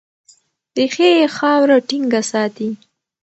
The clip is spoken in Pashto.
ریښې یې خاوره ټینګه ساتي.